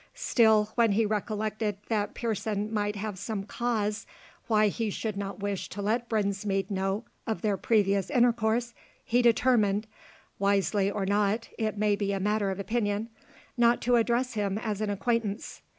Still, when he recollected that Pearson might have some cause why he should not wish to let Brinsmead know of their previous intercourse, he determined wisely or not, it may be a matter of opinion not to address him as an acquaintance.